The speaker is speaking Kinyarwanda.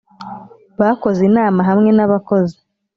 bakoze inama hamwe nabakozi